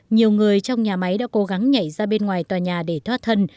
nhiều người trong nhà máy đã cố gắng nhảy ra bên ngoài tòa nhà để thoát thân